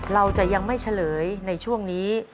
เราจะยังไม่เฉลยในช่วงนี้